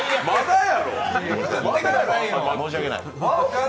申し訳ない。